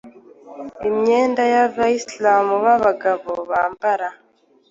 Imyenda abayislam b’abagabo Bambara